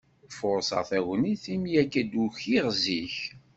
Furṣeɣ tagnit, mi akka d-ukiɣ zik.